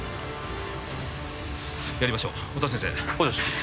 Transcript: やりましょう音羽先生補助します